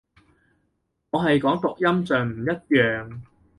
我係講讀音上唔一樣